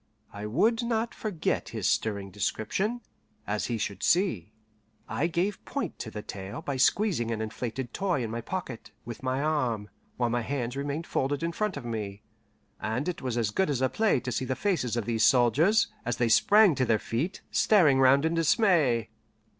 I would not forget his stirring description, as he should see. I gave point to the tale by squeezing an inflated toy in my pocket, with my arm, while my hands remained folded in front of me; and it was as good as a play to see the faces of these soldiers, as they sprang to their feet, staring round in dismay.